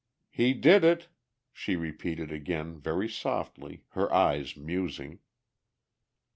"He did it," she repeated again very softly, her eyes musing.